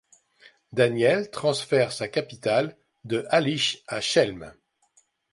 Daniel transfère sa capitale de Halych à Chelm.